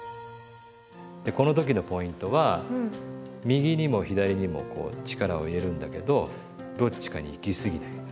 右にも左にもこう力を入れるんだけどどっちかにいきすぎない。